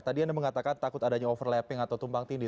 tadi anda mengatakan takut adanya overlapping atau tumpang tindih